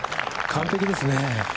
完璧ですね。